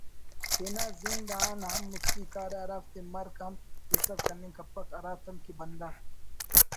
تینا زند آن ہم مستی کارہ ہرافتے مرک ہم ایسر کننگ کپک: ہراتم کہ بندغ